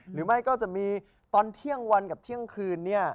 หรือไม่ก็จะมีตอนเที่ยงวันกับเที่ยงคืนเนี่ย